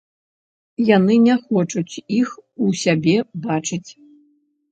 Яны не хочуць іх у сябе бачыць.